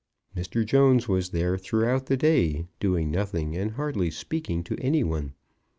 Mr. Jones was there throughout the day, doing nothing, and hardly speaking to any one.